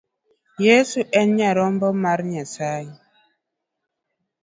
Yeso en nyarombo mar Nyasaye.